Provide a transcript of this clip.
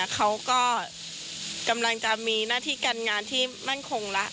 เขาก็กำลังจะมีหน้าที่การงานที่มั่นคงละ